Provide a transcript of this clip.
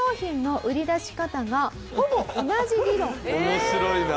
面白いな。